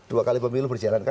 dua kali pemilu berjalan